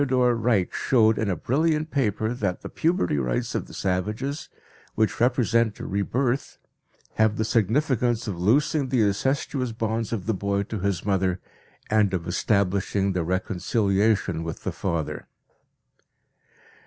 Reik showed in a brilliant paper that the puberty rites of the savages, which represent a rebirth, have the significance of loosing the incestuous bonds of the boy to his mother, and of establishing the reconciliation with the father.